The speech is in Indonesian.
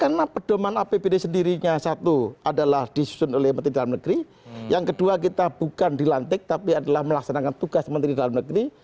karena perdoman apbd sendirinya satu adalah disusun oleh menteri dalam negeri yang kedua kita bukan dilantik tapi adalah melaksanakan tugas menteri dalam negeri